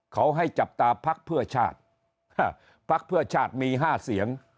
เขาให้จับตาพักเพื่อชาติพักเพื่อชาติมี๕เสียง